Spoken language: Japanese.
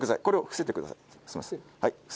これを伏せてください。